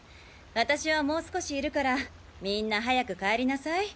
私はもう少し居るからみんな早く帰りなさい。